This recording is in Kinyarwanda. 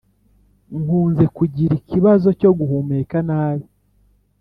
Nkunze kugira ikibazo cyo guhumeka nabi